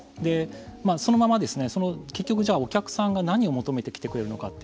そのまま結局お客さんが何を求めて来てくれるのか